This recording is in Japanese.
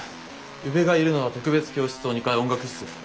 宇部がいるのは特別教室棟２階音楽室。